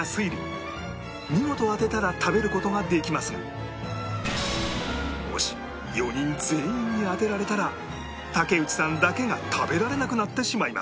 見事当てたら食べる事ができますがもし４人全員に当てられたら竹内さんだけが食べられなくなってしまいます